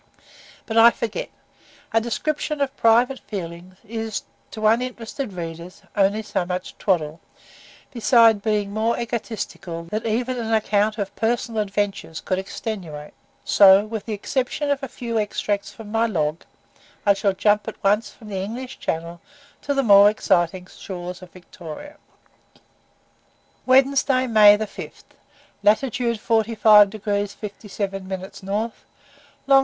But I forget; a description of private feelings is, to uninterested readers, only so much twaddle, besides being more egotistical than even an account of personal adventures could extenuate; so, with the exception of a few extracts from my "log," I shall jump at once from the English Channel to the more exciting shores of Victoria. WEDNESDAY, MAY 5, lat. 45 degrees 57 minutes N., long.